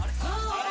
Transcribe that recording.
・あれ？